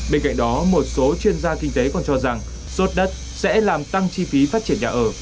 bên cạnh đó một số chuyên gia kinh tế còn cho rằng sốt đất sẽ làm tăng chi phí phát triển nhà ở